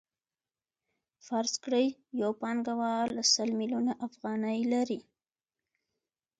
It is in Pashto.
فرض کړئ یو پانګوال سل میلیونه افغانۍ لري